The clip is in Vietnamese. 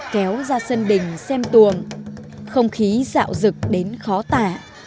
kéo ra sân đình xem tuồng không khí dạo rực đến khó tả